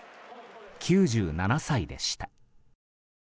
９７歳でした。